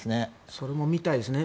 それも見たいですね。